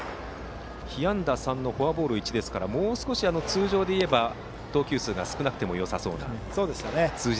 被安打３のフォアボール１ですからもう少し通常でいえば投球数が少なくてもよさそうな数字。